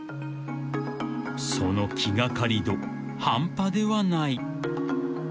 ［その気掛かり度半端ではない］